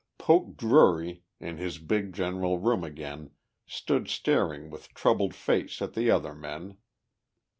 Poke Drury, in his big general room again, stood staring with troubled face at the other men.